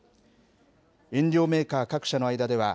飲料メーカー各社の間では、